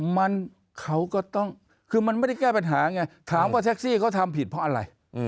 มันเขาก็ต้องคือมันไม่ได้แก้ปัญหาไงถามว่าแท็กซี่เขาทำผิดเพราะอะไร